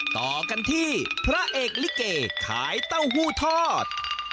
ต่อกันที่พระเอกลิเกขายเต้าหู้ทอด